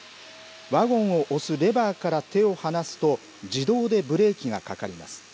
ワゴンを押すレバーから手を離すと、自動でブレーキがかかります。